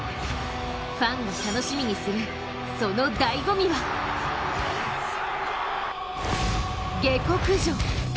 ファンが楽しみにする、そのだいご味は下克上。